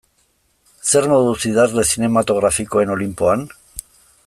Zer moduz idazle zinematografikoen olinpoan?